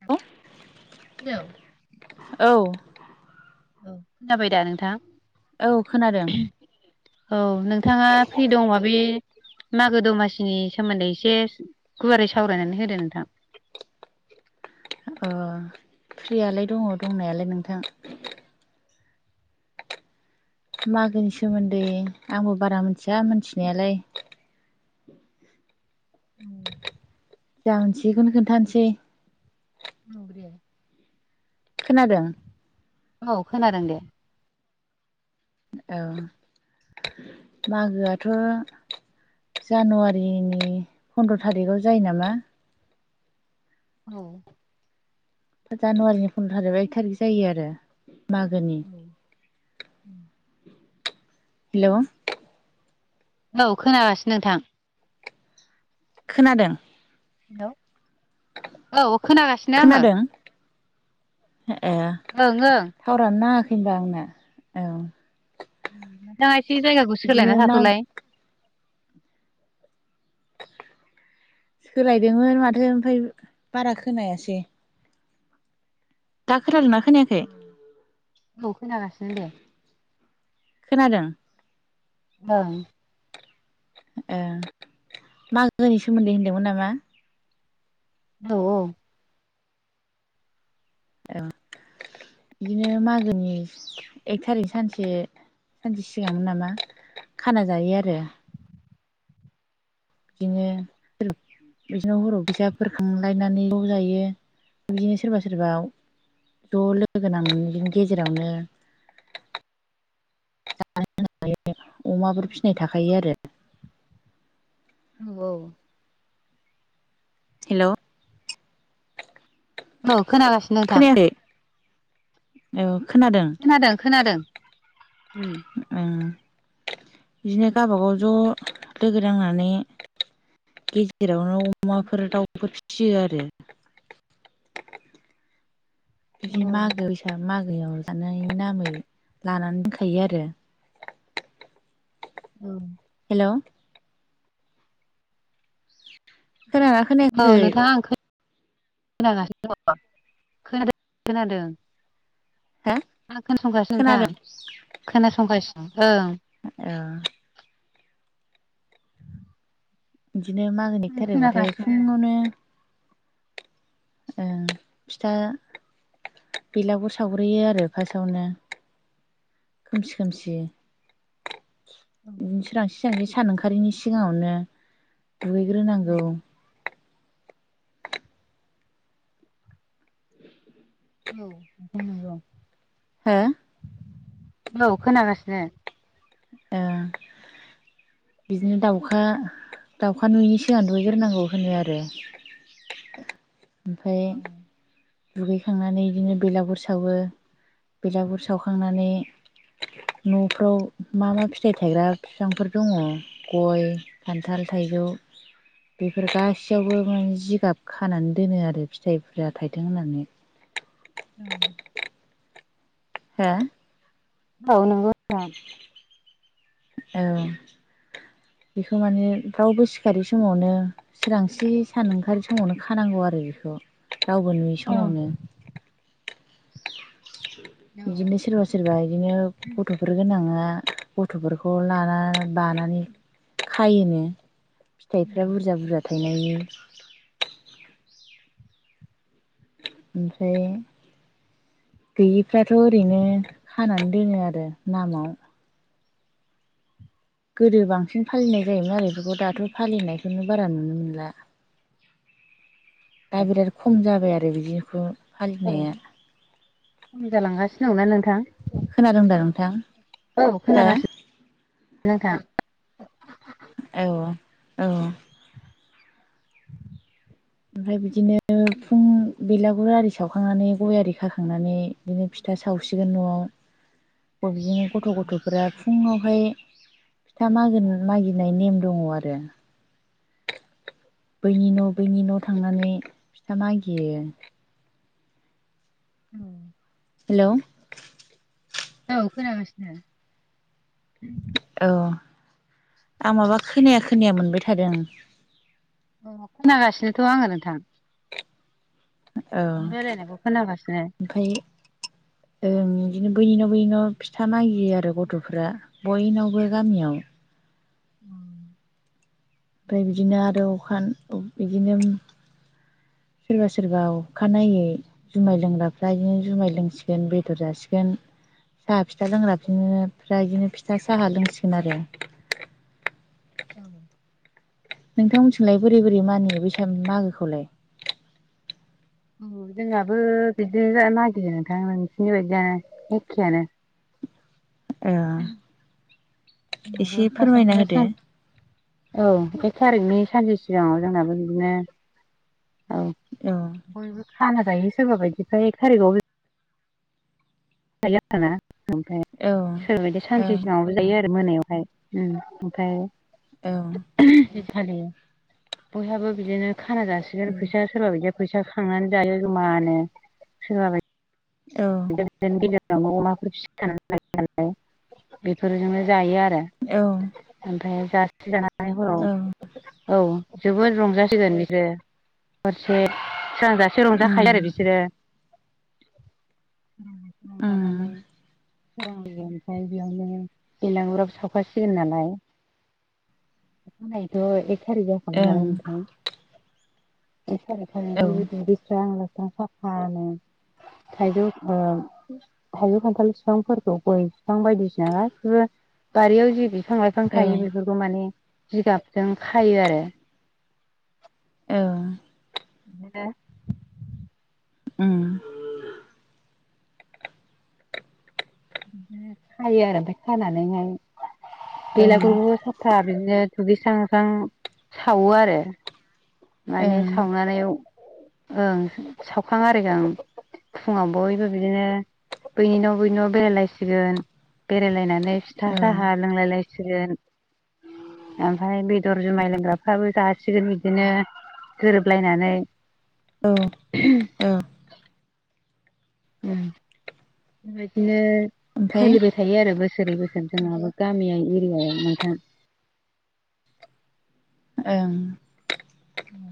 [unintelligible] Hello औ औ खोनाबाय दा नोंथां औ खोनादों औ नोंथाङा फ्रि दङोबा बे मागो दमासिनि सोमोन्दै एसे गुवारै सावरायनानै होदो नोंथां अ फ्रियालाय दङ दंनालाय नोंथां मागोनि सोमोन्दै आंबो बारा मोनथिया मोनथिनालाय औ जा मिथियो बेखौनो खोन्थानोसै औ दे खोनादों औ खोनादों दे औ मागोआथ' जानुवारिनि फन्द्र' थारिखआव जायो नामा औ जानुवारिनि फन्द्र थारिख एक थारिख जायो आरो मागोनि औ हेलौ औ खोनागासिनो नोंथां खोनादों हेल' औ खोनागासिनो आङो खोनादों ए ओं ओं थावरानो नाङाखै होनबा आंना‌ औ नोंथाङा एसे जायगाखौ बिदिनो सोलायना मा थाथ'लाय सोलायदोंमोन माथो ओमफाय बारा खोनायासै। दा खोना दोंना खोनायाखै। औ खोनागासिनो दे। खोनादों। [unintelligible] मागोनि सोमोन्दै होनदोंमोन नामा? औ औ। औ बिदिनो मागोनि एक थारिख सानसे सानसे सिगांमोन नामा खाना जायो आरो। बिदिनो [unintelligible] बिदिनो हराव' फिसाफोर खांलायनानै ज' जायो बिदिनो सोरबा सोरबा ज' लोगोनांनै इदिनो गेजेरावनो। [inaudible] [unintelligible] अमाफोर फिसिनाय थाखायो आरो [unintelligible] हेलौ। औ खोनागासिनो। नोंथां खोनायाखै औ खोनादों। खोनादों खोनादों। उम बिदिनो गावबागाव ज' लोगो नांनानै गेजेरावनो अमाफोर दाउफोर फियो आरो। औ बिदि मागोसाग मागोआव जानायनि नामै लानानै दोनखायो आरो। औ। हेलौ। खोना औ नोंथांङा आं खोनागासिनो दंङो खोनादों खोनादों। हा। आं खोनासंगासिनो नोंथां खोनासंगासिनो ओं। औ। बिदिनो मागोनि एक आं थारिबाथाय खोनागासिनो फुंङावनो ओं फिथा बेलागुर सावग्रोयो आरो फासावनो खोमसि खोमसि औ सोरांसि सोरांसि सान ओंखारिनि सिगांङावनो दुगैग्रोनांगौ। औ। हो औ खोनागासिनो ओ बिदिनो दाउखा दाउखा नुयैनि सिगां दुइग्रोनांगौ होनो आरो। ओमफ्राय औ दुगैखांनानै बिदिनो बेलागुर सावो बेलागुर सावखांनानै न'फ्राव मा मा फिथाइ थायग्रा बिफांफोर दंङो। गय खान्थाल थाइजौ बेफोर गासैयावबो माने जिगाब खानानै दोनो आरो फिथाइफोरा थाइथों होननानै औ। हो औ नंगौ नोंथां। औ बेखौ माने रावबो सिखारै समावनो सोरिरांस्रि सान ओंखारै समावनो खानांगौ आरो बेखौ रावबो नुयै औ समावनो बिदिनो सोरबा सोरबा बिदिनो गथ'फोर गोनाङा गथ'फोरखौ लाना बानानै खायोनो फिथाइफ्रा बुरजा बुरजा थायनायनि ओमफ्राय गैयिफ्राथ' ओरैनो खानानै दोनोङो आरो नामाव। गोदो बांसिन फालिनाय जायोमोन आरो बेखौ दाथ' फालिनायखौनो बारा नुनो मोनला। [inaudible] दा बिराद खम जाबाय आरो बिदिखौ औ फालिनाया। खम जालांगासिनो दंना नोंथां खोनादों दा नोंथां औ हो खोनागासिनो। नोंथां औ औ ओमफ्राय बिदिनो फुं बेलागुर आरि सावखांनानै गय आरि खाखांनानै बिदिनो फिथा सावसिगोन न'आव। [inaudible] बिदिनो गथ' गथ'फोरा फुंङावहाय फिथा मागिनाय मागिनाय नेम दंङो आरो। बैनि न' बैनि न' थांनानै फिथा मागियो। औ हेलौ औ खोनागासिनो। औ आं माबा खोनाया खोनाया मोनबाय थादों। अ खोनागासिनोथ' आङो नोंथां। औ रायलायनायखौ खोनागासिनो ओमफाय ओं इदिनो बैनि न' बैनि न' फिथा मागियो आरो गथ'फ्रा। बयनावबो गामियाव उम ओमफ्राय बिदिनो आरो अखान बिदिनो सोरबा सोरबा अखानायै जुमाय लोंग्राफ्रा इदिनो जुमाय लोंसिगोन बेदर जासिगोन। साहा फिथा लोंग्रा बिदिनो फ्रा इदिनो फिथा साहा लोंसिगोन आरो। औ नोंथांमोनसिलाय बोरै बोरै मानियो बेैसाग मागोखौलाय? उम जोंनाबो बिदिनो मागियो नोंथां नोंसिनि बायदियानो एखेयानो। ओ एसे फोरमायना होदो [unintelligible] औ एक थारिकनि सानसे सिगाङाव जोंनाबो बिदिनो औ औ बयबो खाना जायो सोरबा बायदिफ्रा एक थारिगावबो फाखाना ओमफ्राय औ सोरबायदि सानसे सिगाङावबो जायो आरो मोनायावहाय ओमफ्राय औ हिखालि बयहाबो बिदिनो खाना जासिगोन फैसा सोरबा बायदिया फैसा खांनानै जायो जमानो सोरबा बाय औ बिनो गेजेरावनो अमाफोर फिसिखानानै लायो नालाय बेफोरजोंनो जायो आरो। औ ओमफ्राय जसे जानानै हराव औ औ जोबोद रंजासिगोन बिसोरो हरसे सोरांजासे उम रंजाखायो आरो बिसोरो। सोरांजासिम उम रंजानानै सोरांनायजों ओमफाय बेयावनो बेलाांगुराबो सावखाासिगोन नालाय। अखानायैथ' एक टारिख जाखाबाय नालाय ओं नोंथां एक थारिकखालि औ दुगैस्रांं लोबस्रां साफानो थाइजौ ओ थाइजौ खान्थाल फिफांफोरखौ गय बिफां बायदिसिना गासिबो बारियाव जि बिफां लाइफां औ थायो बेफोरखौ माने जिगाबजों खायो आरो। औ बिदिनो उम बिदिनो खायो आरो ओमफाय खानानैहाय ओं बेलागुरखौबो था बिदिनो दुगैस्रां लोबस्रां सावो आरो। माने ओं सावनानै औ ओं सावखां आरिखां फुङाव बयबो बिदिनो बैनि न' बैनि न' बेरायलायसिगोन बेरायलायना नै फिथा औ साहा लोंलाय लायसिगोन। ओमफ्राय बेदर जुमाय लोंग्राफ्राबो जासिगोन बिदिनो गोरोबलायनानै औ ह उम बेबायदिनो सोलिबाय थायो आरो बोसोरै बोसोर जोंहाबो गामिया एरियायाव नोंथां। ओं उ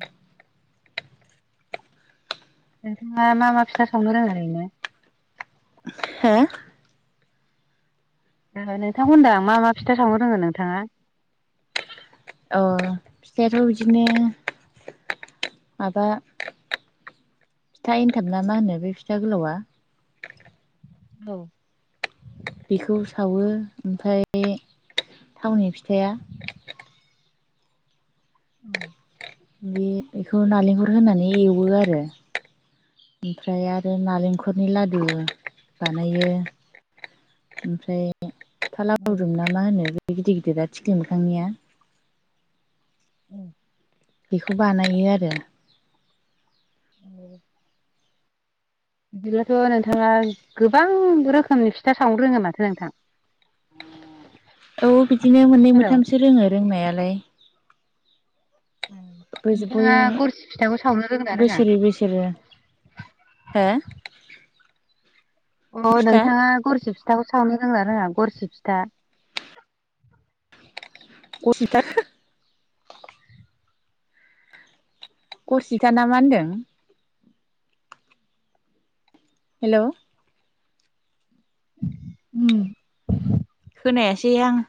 नोंथाङा मा मा फिथा सावनो रोङो ओरैनो? हो? [unintelligible] नोंथांखौ होनदां मा मा फिथा सावनो रोङो नोंथाङा? अ फिथायाथ' बिदिनो माबा फिथा एन्थाब ना मा होनो बे फिथा गोलावा। औ बेखौ सावो ओमफ्राय थावनि फिथाया औ बे बेखौ नालेंखर होनानै एवो आरो। ओमफ्राय आरो नालेंखरनि लादु बानायो। ओमफ्राय फिथा औ लाउदुम ना मा होनो बे गिदिर गिदिरा थिख्लि मोखांनिया? उ बेखौ बानायो आरो। औ बिदिब्लाथ' नोंथाङा गोबां रोखोमनि फिथा सावनो रोङो माथो नोंथां। [inaudible] औ बिदिनो मोननै हेल' मोनथामसो रोङो रोंनायालाय। नोंथाङा गरसि फिथाखौ सावनो रोंना [unintelligible] रोङा बोसोरै बोसोरे हो? अ फिथा नोंथाङा गरसि फिथाखौ सावनो रोङोना रोङा गरसि फिथा? असिथार गरसिथा ना मा होनदों? हेलौ उम खोनायासैहां।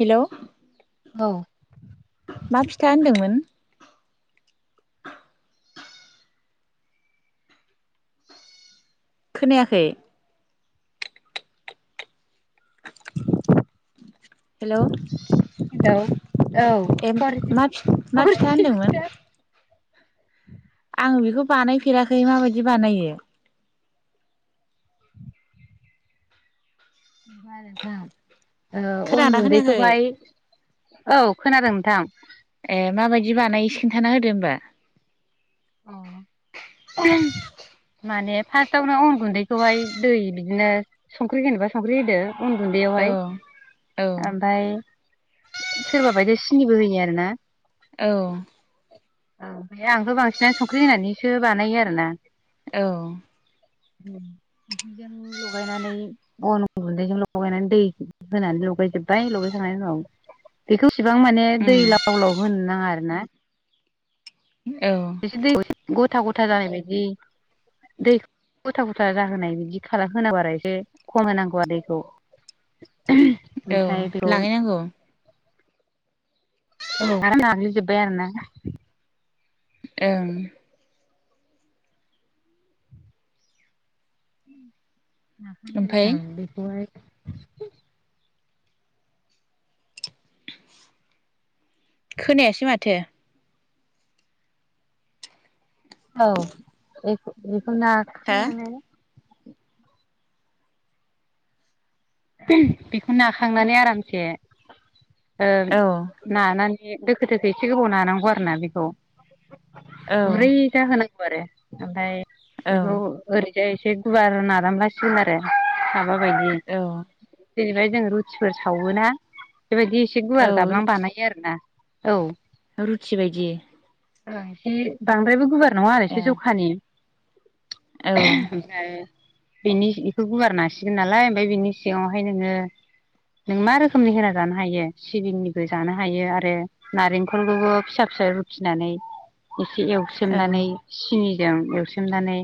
हेलौ औ मा फिथा होनदोंमोन? खोनायाखै। हेलौ हेलौ औ ए गरसि मा मा फिथा होनदोंमोन आं बेखौ बानायफेराखै माबायदि बानायो ओ नोंथां अन खोनादोंना गुन्दैखौहाय खोनायाखै औ खोनादों नोंथां ए माबायदि बानाय खिन्थाना होदो होनबा अ माने फार्स्टआवनो अन गुन्दैखौहाय दै बिदिनो संख्रि होनोबा संख्रि होदो अन औ गुन्दैयावहाय औ ओमफ्राय सोरबा बायदि सिनिबो होयो आरो ना औ औ ओमफ्राय आंथ' बांसिनानो संख्रि होनानैसो बानायो आरो ना औ [inaudible] ख्रिजों लगायनानै अन गुन्दैजों लगायनानै दै होनानै ल लगायजोबबाय लगाय थांनायनि उनाव बेखौ इसेबां माने उम दै लाव लाव होनो नाङा आरो ना औ दै गथा गथा जानाय बायदि दै गथा गथा जाहोनाय बिदि खालाम होना बारा एसे खम होनांगौआरो दैखौ औ ओमफ्राय [unintelligible] लागायनांगौ औ आरो नाग्लिजोबबाय आरोना ओं नाखां ओमफाय आरिखां बेखौहाय खोनायासै माथो औ बेखौ हा नाखांनानै बेखौ नाखांनानै आरामसे ओ औ नानानै दोखो दोखो एसे गोबाव नानांगौ आरोना बेखौ औ गुरै होनांगौ आरो ओमफ्राय औ बेखौ ओरैजाय एसे गुवार नादामलासिगोन आरो माबा बायदि औ जेनेबा जों रुटिफोर सावोना बेबायदि एसे औ गुवार दाबलां रुथि बानायो आरोना औ रुथि बायदि एसे बांद्रायबो गुवार नङा आरो ओ एसे जखानि औ ओमफ्राय बेनि बेखौ गुवार नासिगोन नालाय ओमफ्राय बेनि सिङावहाय नोङो नों मा रोखोमनि होना जानो हायो सिबिंनिबो जानो हायो आरो नारेंखलखौबो फिसा फिसा रुखिनानै एसे एव एवसोमनानै औ सिनिजों एवसोमनानै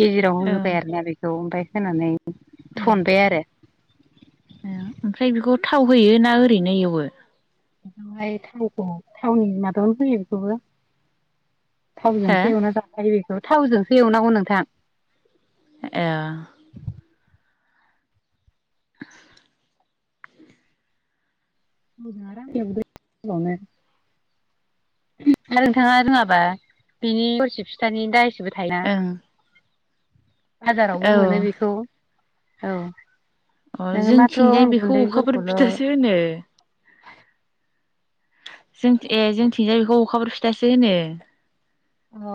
गेजेराव होबाय आरोना बेखौ ओमफ्राय होनानै औ थनबाय आरो ओमफ्राय बेखौ थाव होयोना ओरैनो एवो बेवहाय थावखौ थावनि माबायावनो होैयो बेखौबो हो थावजोंसो एवना जाखायो बेखौ थावजोंसो एवनांगौ नोंथां ए आराम [unintelligible] आरो नोंथाङा रोङाबा बिनि थरसि फिथानि दा एसेबो थायोना ओं बाजारावबो औ मोनो बेखौ औ अ नोङो माथ्र जोंथिंजाय अन बेखौ अखाफोर गुन्दैफोरखौल [unintelligible] जों ए जोंथिंजाय बेखौ अखफोर फिथासो होनो अ